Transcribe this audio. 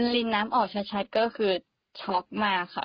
ลิงน้ำออกชัดก็คือช็อกมากค่ะ